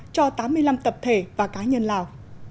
cho tám mươi năm tập thể và cá nhân lào